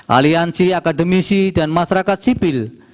aliansi akademisi dan masyarakat sipil